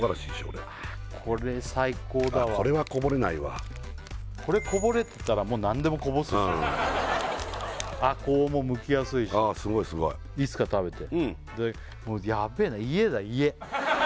俺これ最高だわこれはこぼれないわこれこぼれたらもう何でもこぼすむきやすいしすごいすごいいいっすか食べて？